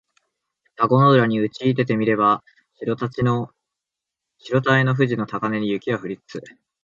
田子の浦にうちいでて見れば白たへの富士の高嶺に雪は降りつつ